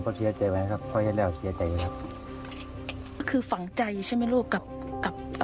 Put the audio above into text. นานหรือยังลูก